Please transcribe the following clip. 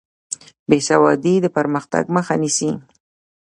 بې سوادي د پرمختګ مخه نیسي.